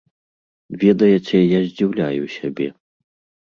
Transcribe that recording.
Ведаеце, я здзіўляю сябе.